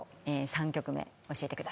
３曲目教えてください。